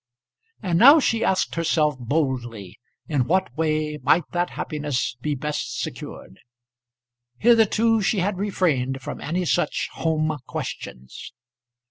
And now she asked herself boldly in what way might that happiness be best secured. Hitherto she had refrained from any such home questions.